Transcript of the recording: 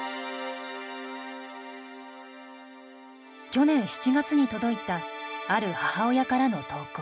去年７月に届いたある母親からの投稿。